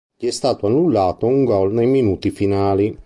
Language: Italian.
Gli è stato annullato un gol nei minuti finali.